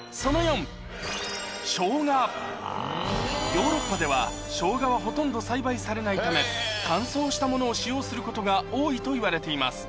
ヨーロッパでは生姜はほとんど栽培されないため乾燥したものを使用することが多いといわれています